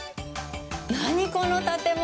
何、この建物！